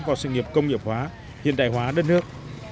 vào sự nghiệp công nghiệp hóa hiện đại hóa đất nước